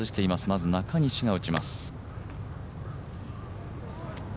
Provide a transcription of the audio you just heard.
まず中西が打ちます。